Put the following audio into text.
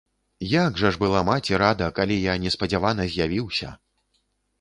Як жа ж была маці рада, калі я неспадзявана з'явіўся!